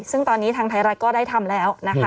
ซึ่งตอนนี้ทางไทยรัฐก็ได้ทำแล้วนะคะ